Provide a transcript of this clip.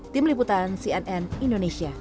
tim liputan cnn indonesia